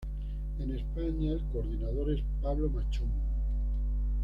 En España, el coordinador es Pablo Machón.